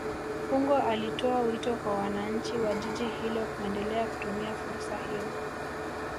fungo alitoa wito kwa wananchi wa jiji hilo kuendelea kutumia fursa hiyo